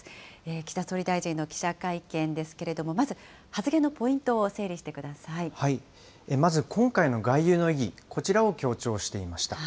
岸田総理大臣の記者会見ですけれども、まず発言のポイントを整理まず、今回の外遊の意義、こちらを強調していました。